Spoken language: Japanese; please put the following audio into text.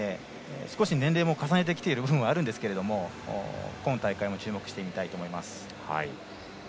少し年齢も重ねてきている部分もあるんですけど今大会も注目して見たいと思います。